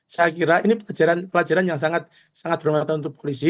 saya kira ini pelajaran yang sangat bermanfaat untuk polisi